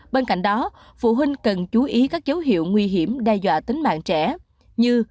bên cạnh đó phụ huynh cần chú ý các dấu hiệu nguy hiểm đe dọa tính mạng trẻ như